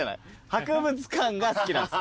博物館が好きなんです